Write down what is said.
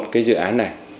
một mươi một cái dự án này